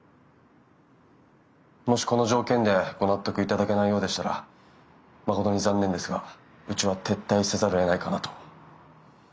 もしこの条件でご納得いただけないようでしたら誠に残念ですがうちは撤退せざるをえないかなと。